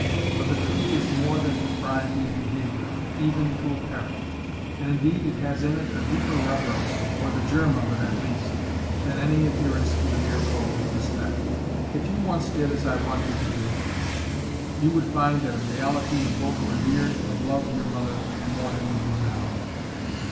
But the truth is more than propriety of behaviour, even to a parent; and indeed has in it a deeper reverence, or the germ of it at least, than any adherence to the mere code of respect. If you once did as I want you to do, you would find that in reality you both revered and loved your mother more than you do now."